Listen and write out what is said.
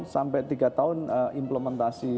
sampai tiga tahun implementasi